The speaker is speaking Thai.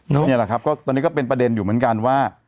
นี่แหละครับก็ตอนนี้ก็เป็นประเด็นอยู่เหมือนกันว่า